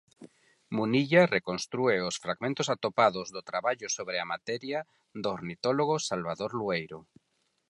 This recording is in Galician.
Munilla reconstrúe os fragmentos atopados do traballo sobre a materia do ornitólogo Salvador Lueiro.